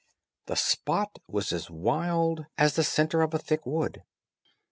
The spot was as wild as the centre of a thick wood.